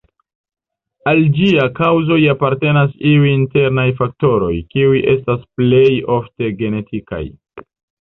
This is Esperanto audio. Al ĝia kaŭzoj apartenas iuj internaj faktoroj, kiuj estas plej ofte genetikaj.